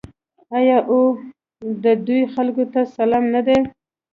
آیا او د دوی خلکو ته سلام نه دی؟